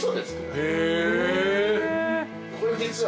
これ。